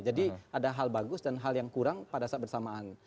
jadi ada hal bagus dan hal yang kurang pada saat bersamaan